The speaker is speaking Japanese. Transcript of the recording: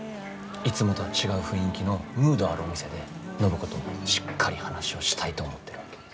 いつもとは違う雰囲気のムードあるお店で暢子としっかり話をしたいと思ってるわけ。